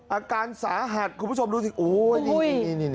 อาการสาหัสคุณผู้ชมดูสิโอ้ยนี่